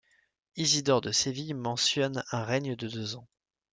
Isidore de Séville mentionne un règne de deux ans.